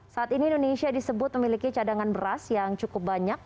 saat ini indonesia disebut memiliki cadangan beras yang cukup banyak